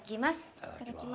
いただきます。